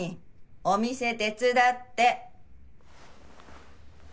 お店手伝って！